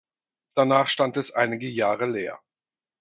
Danach stand es einige Jahre leer.